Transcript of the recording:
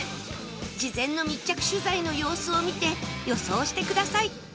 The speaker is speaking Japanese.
事前の密着取材の様子を見て予想してください